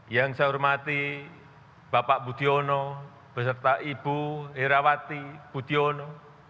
yang saya hormati bapak budiono beserta ibu herawati budiono